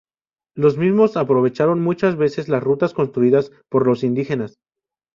Los mismos aprovecharon muchas veces las rutas construidas por los indígenas.